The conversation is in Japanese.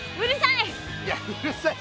うるさい！